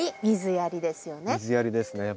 水やりですね。